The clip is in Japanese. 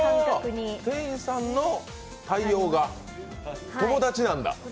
ああ、店員さんの対応が友達なんだ。